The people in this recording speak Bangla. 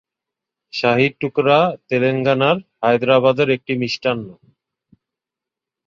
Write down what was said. শাহী টুকরা তেলেঙ্গানার হায়দ্রাবাদের একটি মিষ্টান্ন।